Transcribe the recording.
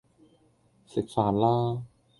食飯啦!